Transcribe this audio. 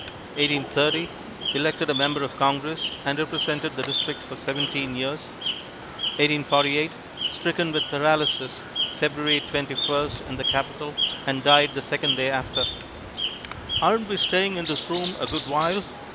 1830 Elected a Member of Congress, and represented the district for seventeen years. 1848 Stricken with paralysis February Twenty first in the Capitol, and died the second day after. "Aren't we staying in this room a good while?"